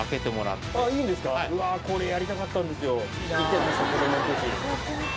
うわー、これ、やりたかったんですよ。